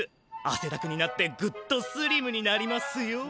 あせだくになってぐっとスリムになりますよ。